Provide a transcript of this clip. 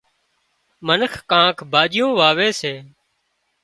منک ڪانڪ ڀاڄيون واوي سي